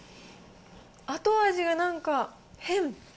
後味がなんか変。